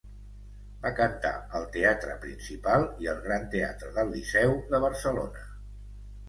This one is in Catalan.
Va cantar al Teatre Principal i al Gran Teatre del Liceu de Barcelona.